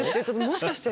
もしかして。